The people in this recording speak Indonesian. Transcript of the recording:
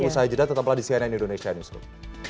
usai jeda tetaplah di cnn indonesia newsroom